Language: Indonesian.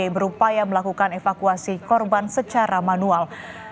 berupaya melakukan evakuasi korban secara manual